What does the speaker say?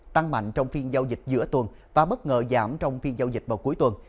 tăng mạnh trong phiên giao dịch giữa tuần và bất ngờ giảm trong phiên giao dịch vào cuối tuần